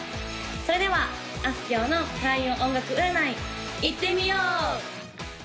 それではあすきょうの開運音楽占いいってみよう！